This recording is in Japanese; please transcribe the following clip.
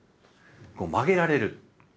曲げられる。